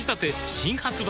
新発売